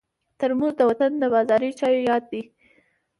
ترموز د وطن د بازاري چایو یاد دی.